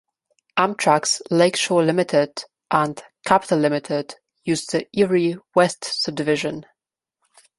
Amtrak's "Lake Shore Limited" and "Capitol Limited" use the Erie West Subdivision.